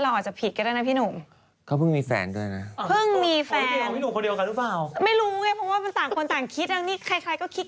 หรือคนแรกที่คุณแม่พูด